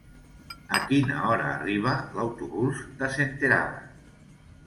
A quina hora arriba l'autobús de Senterada?